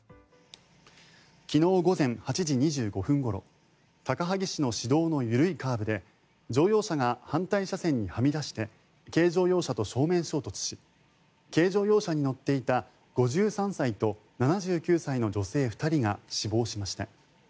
昨日午前８時２５分ごろ高萩市の市道の緩いカーブで乗用車が反対車線にはみ出して軽乗用車と正面衝突し軽乗用車に乗っていた５３歳と７９歳の女性２人が死亡しました。